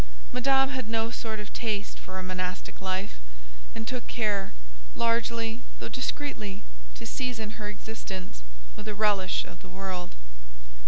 Madame had no sort of taste for a monastic life, and took care—largely, though discreetly—to season her existence with a relish of the world.